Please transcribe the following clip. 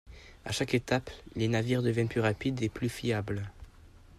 À chaque étape, les navires deviennent plus rapides et plus fiables.